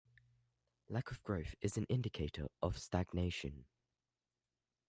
Lack of growth is an indicator of stagnation.